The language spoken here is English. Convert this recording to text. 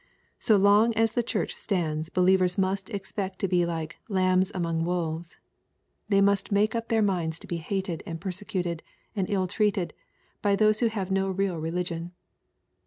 So long as the Church stands believers must expect to be like ^^ lambs among wolves." They must make up their minds to be hated, and persecuted, and ill treated, by those who have no real religion.